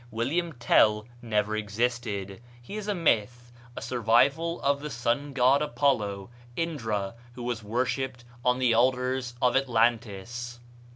William Tell never existed; he is a myth; a survival of the sun god Apollo, Indra, who was worshipped on the altars of Atlantis.